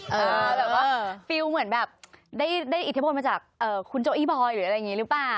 แบบว่าฟิลเหมือนแบบได้อิทธิพลมาจากคุณโจอี้บอยหรืออะไรอย่างนี้หรือเปล่า